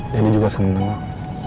deddy juga senang